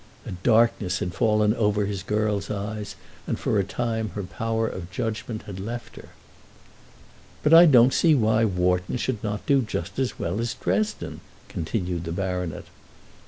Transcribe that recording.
A darkness had fallen over his girl's eyes, and for a time her power of judgment had left her. "But I don't see why Wharton should not do just as well as Dresden," continued the baronet. Mr.